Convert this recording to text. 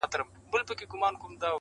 نه چاره یې په دارو درمل کېدله!.